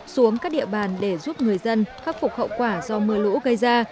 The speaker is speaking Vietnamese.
xuống các địa bàn để giúp người dân khắc phục hậu quả do mưa lũ gây ra